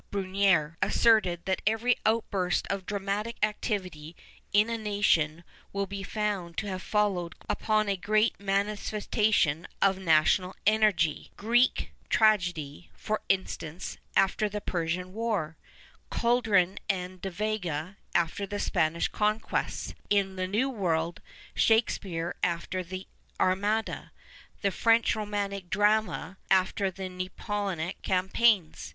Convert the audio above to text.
Bruneti<^re asserted that every outburst of dramatic aetivity in a nation will be found to iiave followed close upon a great manifestation of national energy — Greek 144 A THEORY OF BRUNETll^iRE tragedy, for instance, after the Persian War, Calderon and de Vega after the Spanish conquests in the New World, Shakespeare after the Armada, the French romantic drama after the Napoleonic cam paigns.